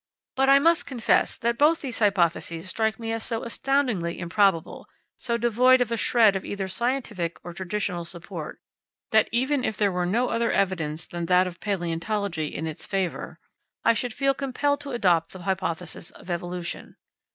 But I must confess that both these hypotheses strike me as so astoundingly improbable, so devoid of a shred of either scientific or traditional support, that even if there were no other evidence than that of palaeontology in its favour, I should feel compelled to adopt the hypothesis of evolution.